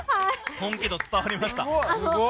本気度、伝わりました。